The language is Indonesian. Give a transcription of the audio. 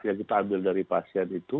yang kita ambil dari pasien itu